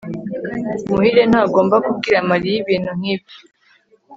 muhire ntagomba kubwira mariya ibintu nkibyo